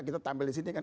kita tampil di sini kan